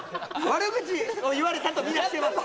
悪口を言われたと見なしてます